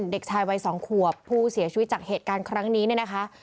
เด็กชายวัย๒ขวบผู้เสียชีวิตจากเหตุการณ์ครั้งนี้เนี่ยนะคะ